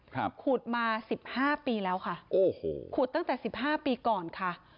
ขุดมาสิบห้าปีแล้วค่ะโอ้โหขุดตั้งแต่สิบห้าปีก่อนค่ะ